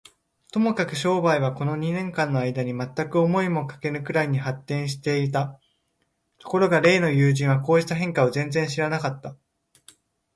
ともかく商売は、この二年間のあいだに、まったく思いもかけぬくらいに発展していた。ところが例の友人は、こうした変化を全然知らなかった。